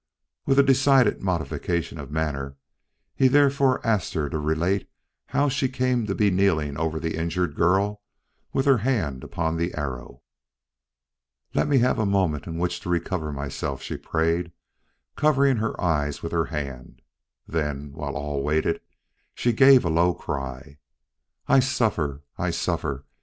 With a decided modification of manner, he therefore asked her to relate how she came to be kneeling over the injured girl with her hand upon the arrow. "Let me have a moment in which to recover myself," she prayed, covering her eyes with her hand. Then, while all waited, she gave a low cry, "I suffer; I suffer!"